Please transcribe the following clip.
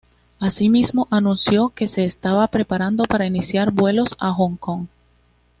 Así mismo, anunció que se estaba preparando para iniciar vuelos a Hong Kong.